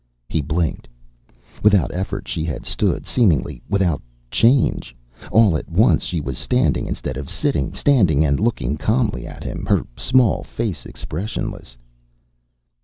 He blinked. Without effort she had stood, seemingly without change. All at once she was standing instead of sitting, standing and looking calmly at him, her small face expressionless.